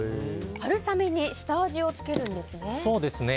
春雨に下味をつけるんですね。